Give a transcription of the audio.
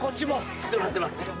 ちょっと待って待って。